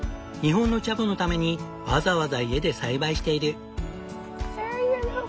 日本のチャボのためにわざわざ家で栽培している。